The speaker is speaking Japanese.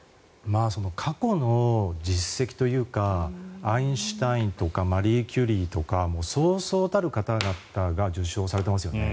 過去の実績というかアインシュタインとかマリー・キュリーとかそうそうたる方々が受賞されてますよね。